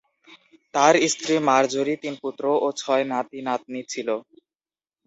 তাঁর স্ত্রী মারজোরি, তিন পুত্র ও ছয় নাতি-নাতনি ছিল।